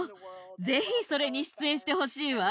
ぜひそれに出演してほしいわ。